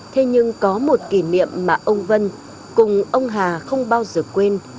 thế nhưng có một kỷ niệm mà ông vân cùng ông hà không bao giờ quên